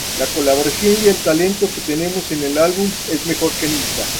La colaboración y el talento que tenemos en el álbum es mejor que nunca.